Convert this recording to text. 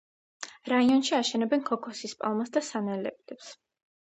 რაიონში აშენებენ ქოქოსის პალმას და სანელებლებს.